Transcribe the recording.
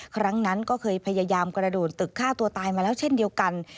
ครั้งนั้นก็เคยพยายามกระโดดตึกฆ่าตัวตายมาแล้วเช่นเดียวกัน